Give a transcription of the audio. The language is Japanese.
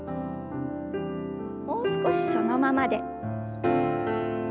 もう少しそのままで。